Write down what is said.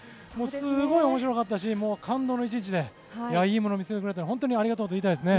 すごい面白かったし感動の１日でいいものを見せてくれて本当にありがとうと言いたいですね。